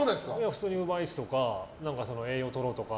普通にウーバーイーツとか栄養とろうとか。